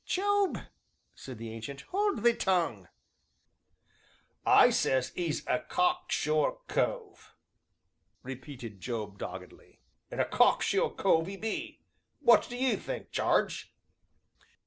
"Job," said the Ancient, "hold thee tongue." "I sez 'e's a cocksure cove," repeated Job doggedly, "an' a cocksure cove 'e be; what do 'ee think, Jarge?"